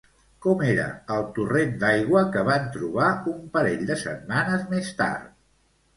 Com era el torrent d'aigua que van trobar un parell de setmanes més tard?